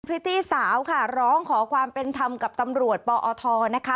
พริตตี้สาวค่ะร้องขอความเป็นธรรมกับตำรวจปอทนะคะ